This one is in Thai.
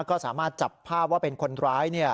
ก็สามารถจับภาพว่าเป็นคนร้าย